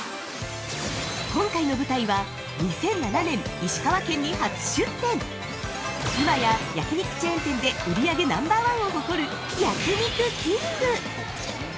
◆今回の舞台は２００７年、石川県に初出店今や焼き肉チェーン店で売り上げナンバーワンを誇る焼肉きんぐ。